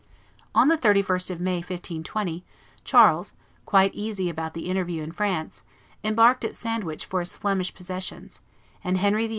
On the 31st of May, 1520, Charles, quite easy about the interview in France, embarked at Sandwich for his Flemish possessions, and Henry VIII.